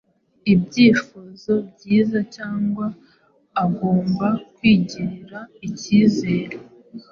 Ibyifuzo byiza cyangwa agomba kwigirira icyizere,